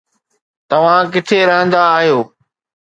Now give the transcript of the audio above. توهان ڪٿي رهندا آهيو